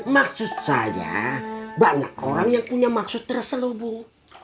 maksud saya banyak orang yang punya maksud terselubung